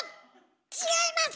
違います！